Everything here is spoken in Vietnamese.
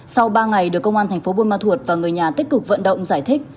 sau ba ngày được công an thành phố buôn ma thuột và người nhà tích cực vận động giải thích